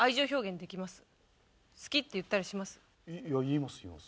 言います言います。